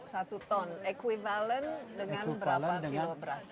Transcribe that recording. satu ton equivalent dengan berapa kilo beras